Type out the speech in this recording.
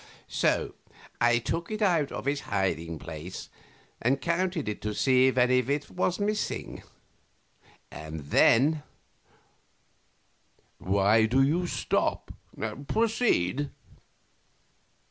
So I took it out of its hiding place and counted it to see if any of it was missing. And then Q. Why do you stop? Proceed.